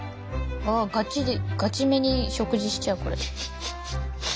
ガチめに食事しちゃうこれ。